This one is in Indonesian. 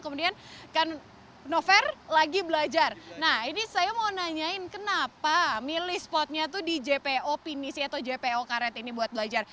kemudian kan novel lagi belajar nah ini saya mau nanyain kenapa milih spotnya itu di jpo pinisi atau jpo karet ini buat belajar